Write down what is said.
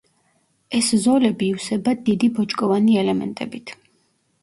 ეს ზოლები ივსება დიდი ბოჭკოვანი ელემენტებით.